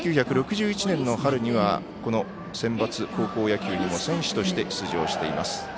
１９６１年の春にはこのセンバツ高校野球にも選手として出場しています。